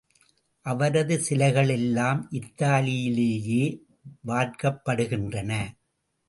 அவரது சிலைகள் எல்லாம் இத்தாலியிலேயே வார்க்கப்படுகின்றன.